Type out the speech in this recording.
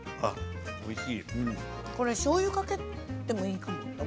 これはしょうゆをかけてもいいかも。